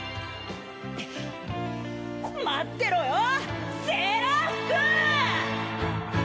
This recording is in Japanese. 待ってろよセーラー服！